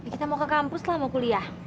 kita mau ke kampus lah mau kuliah